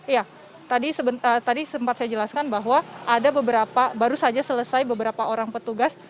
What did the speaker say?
ya tadi sempat saya jelaskan bahwa ada beberapa baru saja selesai beberapa orang petugas